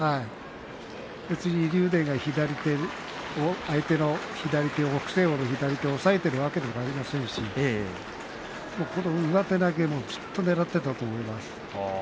竜電が北青鵬の左手を押さえているわけではありませんし上手投げをずっとねらっていたと思うんです。